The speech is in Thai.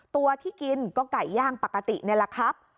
ตัวที่กินก็ไก่ย่างปกตินี่แหละครับ